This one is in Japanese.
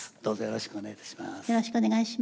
よろしくお願いします。